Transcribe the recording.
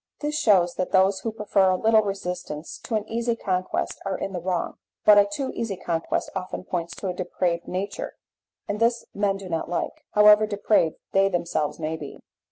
This shews that those who prefer a little resistance to an easy conquest are in the wrong; but a too easy conquest often points to a depraved nature, and this men do not like, however depraved they themselves may be.